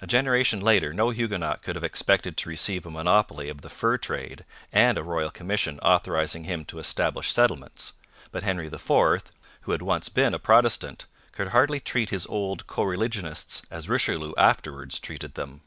A generation later no Huguenot could have expected to receive a monopoly of the fur trade and a royal commission authorizing him to establish settlements, but Henry IV, who had once been a Protestant, could hardly treat his old co religionists as Richelieu afterwards treated them.